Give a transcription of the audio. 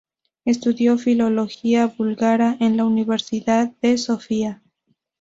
Estudió filología búlgara en la Universidad de Sofía.